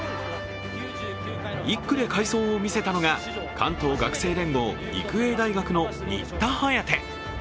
１区で快走を見たのが、関東学生連合、育英大学の新田颯。